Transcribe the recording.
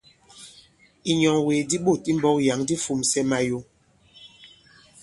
Ìnyɔ̀ŋwègè di ɓôt i mbɔ̄k yǎŋ di fūmsɛ mayo.